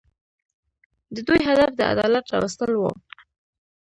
د دوی هدف د عدالت راوستل وو.